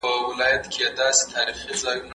خلګ به پر سياسي پريکړو نيوکي کوي.